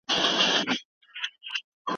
د مقالي لومړۍ بڼه باید ژر اصلاح سي.